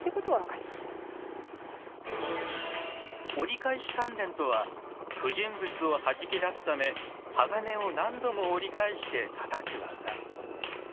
「折り返し鍛錬」とは不純物をはじき出すため鋼を何度も折り返してたたく技。